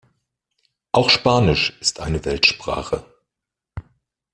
Auch Spanisch ist eine Weltsprache.